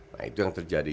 nah itu yang terjadi